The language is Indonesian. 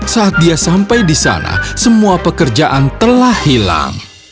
saat dia sampai di sana semua pekerjaan telah hilang